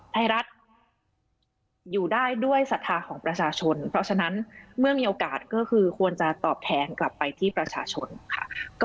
ไทยรัฐอยู่ได้ด้วยศรัทธาของประชาชนเพราะฉะนั้นเมื่อมีโอกาสก็คือควรจะตอบแทนกลับไปที่ประชาชนค่ะ